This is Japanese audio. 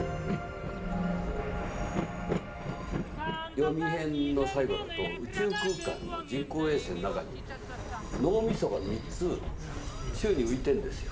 「ヨミ編」の最後だと宇宙空間の人工衛星の中に脳みそが三つ宙に浮いてるんですよ。